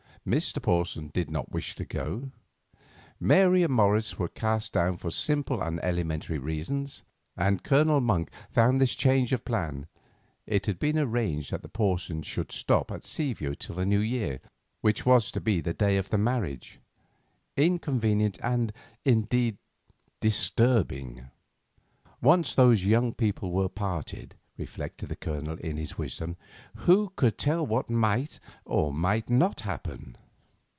Mr. Porson did not wish to go; Mary and Morris were cast down for simple and elementary reasons; and Colonel Monk found this change of plan—it had been arranged that the Porsons should stop at Seaview till the New Year, which was to be the day of the marriage—inconvenient, and, indeed, disturbing. Once those young people were parted, reflected the Colonel in his wisdom, who could tell what might or might not happen?